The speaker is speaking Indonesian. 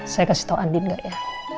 saya kasih tau andi nggak ya